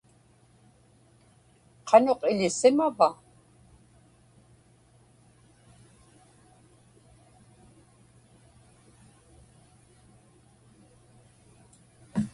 Qanuq iḷisimava?